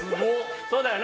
そうだよね？